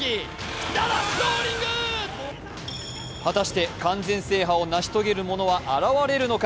果たして完全制覇を成し遂げる者は現れるのか。